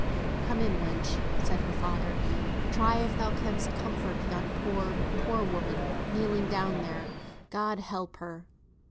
"Come in, wench!" said her father. "Try if thou canst comfort yon poor, poor woman, kneeling down there. God help her."